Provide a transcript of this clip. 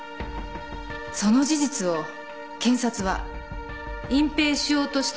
その事実を検察は隠蔽しようとしていた。